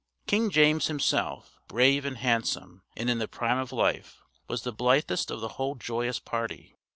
King James himself, brave and handsome, and in the prime of life, was the blithest of the whole joyous party.